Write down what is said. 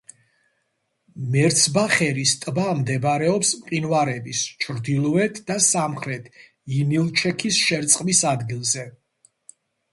მერცბახერის ტბა მდებარეობს მყინვარების ჩრდილოეთ და სამხრეთ ინილჩექის შერწყმის ადგილზე.